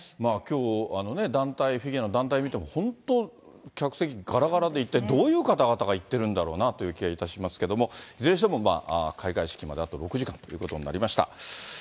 きょう、団体、フィギュアの団体が、本当、客席がらがらで、一体どういう方々が行ってるんだろうなという気がいたしますけれども、いずれにしても開会式まであと６時間ということになりました。